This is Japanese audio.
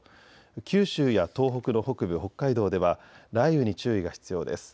九州や東北の北部、北海道では雷雨に注意が必要です。